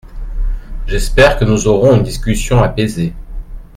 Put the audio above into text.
J’espère que nous aurons une discussion apaisée.